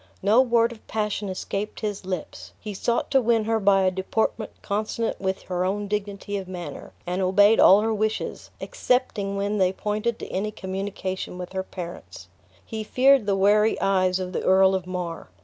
No word of passion escaped his lips; he sought to win her by a deportment consonant with her own dignity of manner, and obeyed all her wishes, excepting when they pointed to any communication with her parents. He feared the wary eyes of the Earl of Mar.